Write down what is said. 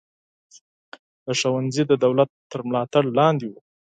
دا ښوونځي د دولت تر ملاتړ لاندې وو.